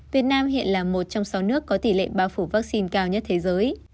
việt nam hiện là một trong sáu nước có tỷ lệ bao phủ vaccine cao nhất thế giới